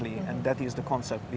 dan itu adalah konsepnya